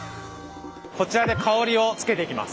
こちらで香りをつけていきます。